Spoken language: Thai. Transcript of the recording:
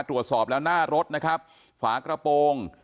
ตรวจสอบแล้วหน้ารถนะครับฝากระโปรง